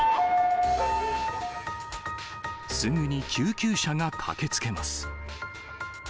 すぐに救急車が駆けつけます。